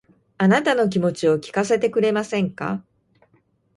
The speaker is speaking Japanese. あなたの気持ちを聞かせてくれませんか